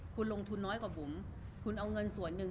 คุณลงทุนน้อยกว่าบุ๋มคุณเอาเงินส่วนหนึ่ง